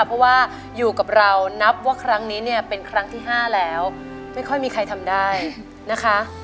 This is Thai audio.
เพราะว่าอยู่กับเรานับว่าครั้งนี้เนี่ยเป็นครั้งที่๕แล้วไม่ค่อยมีใครทำได้นะคะ